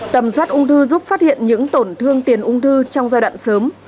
tầm soát ung thư giúp phát hiện những tổn thương tiền ung thư trong giai đoạn sớm